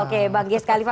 oke bang ges kalifas